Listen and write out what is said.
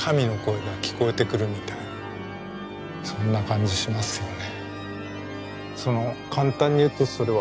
そんな感じしますよね。